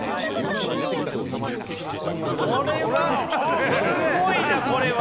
これはすごいなこれは！